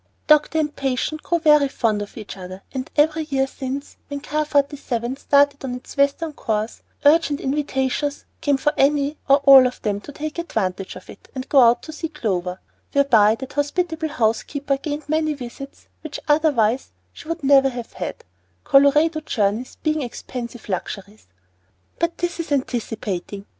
Doctor and patient grew very fond of each other, and every year since, when car 47 started on its western course, urgent invitations came for any or all of them to take advantage of it and go out to see Clover; whereby that hospitable housekeeper gained many visits which otherwise she would never have had, Colorado journeys being expensive luxuries. But this is anticipating.